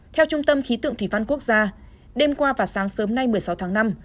theo trung tâm khí tượng thủy văn quốc gia đêm qua và sáng sớm nay một mươi sáu tháng năm